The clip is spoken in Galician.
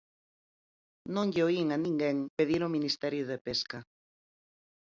Non lle oín a ninguén pedir o Ministerio de Pesca.